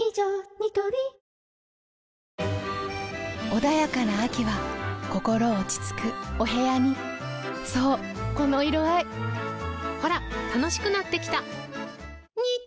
ニトリ穏やかな秋は心落ち着くお部屋にそうこの色合いほら楽しくなってきた！